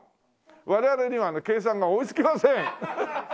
我々にはね計算が追いつきません！